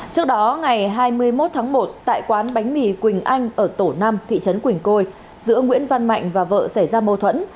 trước đó ngày hai mươi một tháng một tại quán bánh mì quỳnh anh ở tổ năm thị trấn quỳnh côi giữa nguyễn văn mạnh và vợ xảy ra mâu thuẫn